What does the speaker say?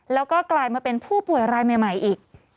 แล้วก็กลายมาเป็นผู้ป่วยรายใหม่อีก